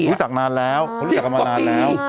ฉันรู้จักนานแล้วฉันรู้จักมานานแล้ว